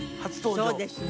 「そうですね」